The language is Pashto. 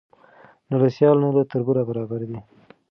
نه له سیال نه له تربوره برابر دی